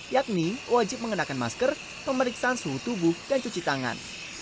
yakni wajib mengenakan masker pemeriksaan suhu tubuh dan cuci tangan